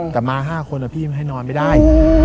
แต่มาห้าคนพี่ไม่ให้นอนไปได้